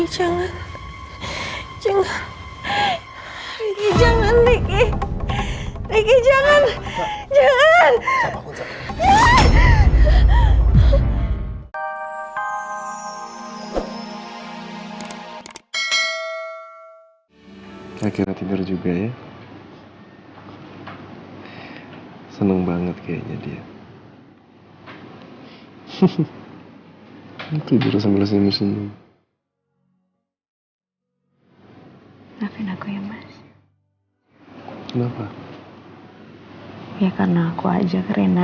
sampai jumpa di video selanjutnya